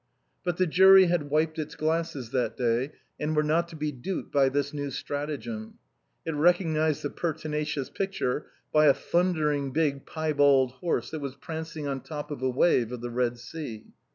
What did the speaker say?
But the jury had wiped its glasses that day, and were not to be duped by this new stratagem. It recognized the pertinacious picture by a thundering big pie bald horse that was prancing on top of a wave of the Eed Sea.